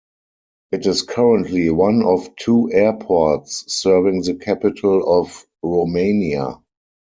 It is currently one of two airports serving the capital of Romania.